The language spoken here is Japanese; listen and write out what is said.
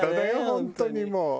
本当にもう。